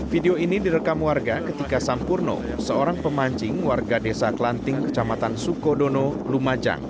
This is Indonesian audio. video ini direkam warga ketika sampurno seorang pemancing warga desa klanting kecamatan sukodono lumajang